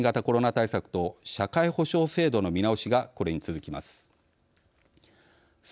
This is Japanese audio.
対策と社会保障制度の見直しがこれに続きます。